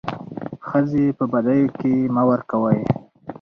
ښځي په بديو کي مه ورکوئ.